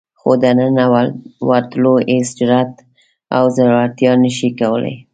خو دننه ورتلو هېڅ جرئت او زړورتیا نشي کولای.